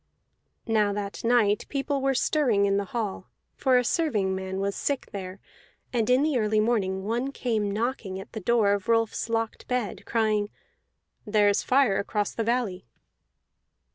Now that night people were stirring in the hall, for a servingman was sick there; and in the early morning one came knocking at the door of Rolfs locked bed, crying, "There is fire across the valley."